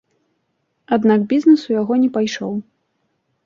Аднак бізнес у яго не пайшоў.